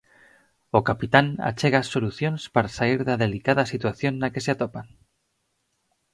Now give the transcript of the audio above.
O capitán achega as solucións para saír da delicada situación na que se atopan.